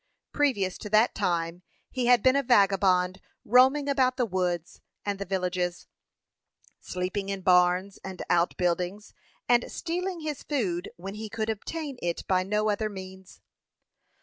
Previous to that time he had been a vagabond, roaming about the woods and the villages, sleeping in barns and out buildings, and stealing his food when he could obtain it by no other means.